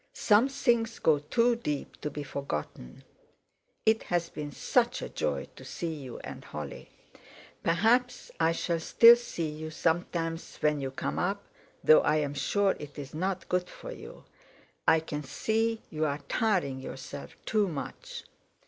Some things go too deep to be forgotten. It has been such a joy to see you and Holly. Perhaps I shall still see you sometimes when you come up, though I'm sure it's not good for you; I can see you are tiring yourself too much.